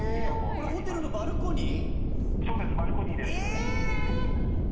これホテルのバルコニー？